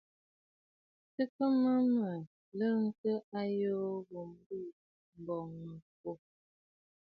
Tɨgə mə mə̀ lɔntə ayoo ghu mbo, m̀bɔŋ mə̀ kwô.